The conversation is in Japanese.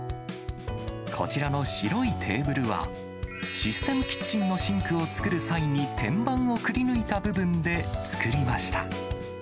こちらの白いテーブルは、システムキッチンのシンクを作る際に天板をくりぬいた部分で作りました。